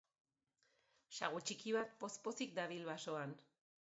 Sagu txiki bat poz-pozik dabil basoan.